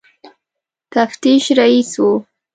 تفتیش رییس وو.